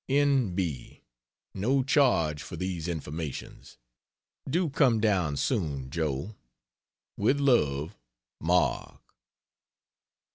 N. B. No charge for these informations. Do come down soon, Joe. With love, MARK.